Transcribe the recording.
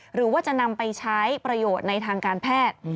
หรือว่าจะนำไปใช้ประโยชน์ในทางการแพทย์